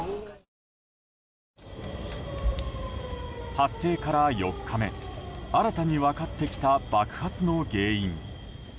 発生から４日目新たに分かってきた爆発の原因。